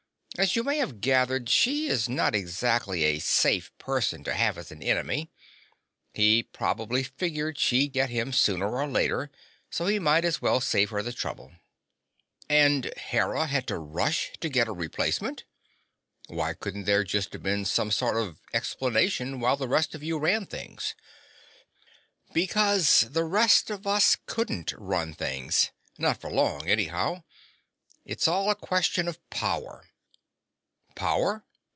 As you may have gathered, she is not exactly a safe person to have as an enemy. He probably figured she'd get him sooner or later, so he might as well save her the trouble." "And Hera had to rush to get a replacement? Why couldn't there just have been some sort of explanation, while the rest of you ran things?" "Because the rest of us couldn't run things. Not for long, anyhow. It's all a question of power." "Power?"